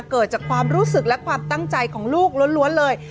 เกิดจากความรู้สึกและความตั้งใจของลูกล้วนเลย